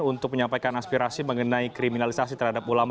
untuk menyampaikan aspirasi mengenai kriminalisasi terhadap ulama